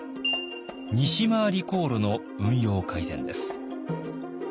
西廻り航路の運用改善です。